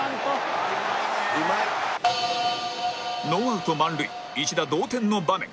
「うまい」ノーアウト満塁一打同点の場面